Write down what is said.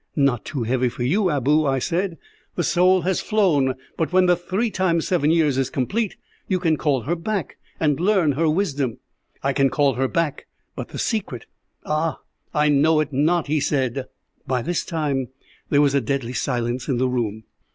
"'Not too heavy for you, Abou,' I said. 'The soul has flown, but when the three times seven years is complete you can call her back and learn her wisdom.'" "'I can call her back, but the secret ah, I know it not,' he said." By this time there was a deadly silence in the room.